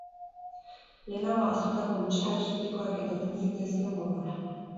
Lehenago ahaztutako musika exotikoak etortzen zitzaizkion gogora.